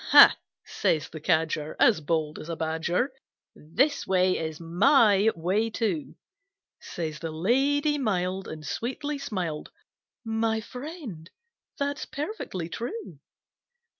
"Ha!" says the Cadger, As bold as a badger, "This way is my way too!" Says the Lady mild, And sweetly smiled, "My Friend, that's perfectly true."